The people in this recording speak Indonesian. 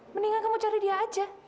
mendingan kamu cari dia aja